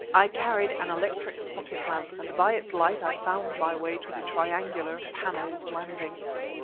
I carried an electric pocket lamp, and by its light I found my way to the triangular, paneled landing.